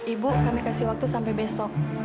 ibu kami kasih waktu sampai besok